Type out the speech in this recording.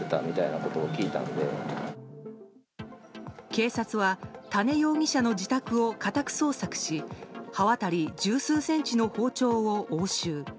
警察は、多禰容疑者の自宅を家宅捜索し刃渡り十数センチの包丁を押収。